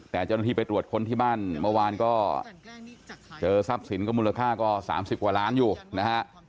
แต่เจ้าหน้าที่ไปตรวจคนบ้านก็เจอทรัพย์สินกับมูลค่าก็สามสิบกว่าล้านอยู่นะฮะ